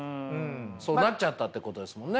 そうなっちゃったってことですもんね。